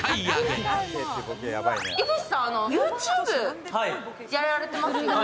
井口さん、ＹｏｕＴｕｂｅやられてますよね。